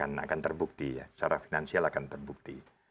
kan akan terbukti ya secara finansial akan terbukti